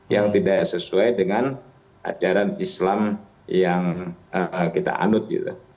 yang tidak sesuai dengan ajaran islam yang kita anut